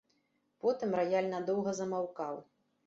Потым раяль надоўга замаўкаў.